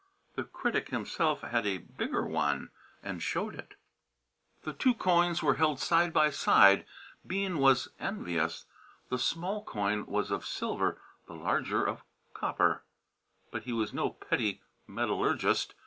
The critic himself had a bigger one, and showed it. The two coins were held side by side. Bean was envious. The small coin was of silver, the larger of copper, but he was no petty metallurgist.